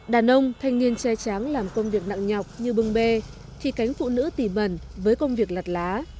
đàn ông thanh niên che tráng làm công việc nặng nhọc như bưng bê thì cánh phụ nữ tỉ bẩn với công việc lặt lá